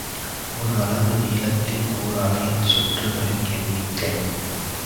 ஒர் அலகு நீளத்தின் ஒர் அலையின் சுற்றுகளின் எண்ணிக்கை.